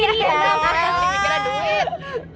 iya kira kira duit